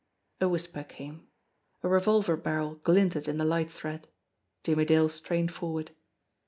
A whisper came. A revolver barrel glinted in the light thread. Jimmie Dale strained forward.